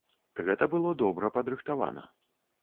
Гэта было добра падрыхтавана.